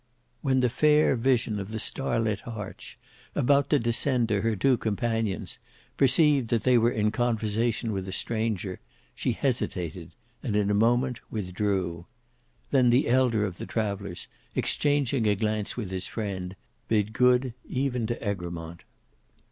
When the fair vision of the starlit arch, about to descend to her two companions, perceived that they were in conversation with a stranger, she hesitated, and in a moment withdrew. Then the elder of the travellers, exchanging a glance with his friend, bid good even to Egremont.